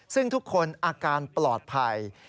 ซึ่งทุกคนอาการปลอดภัย